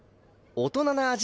大人な味。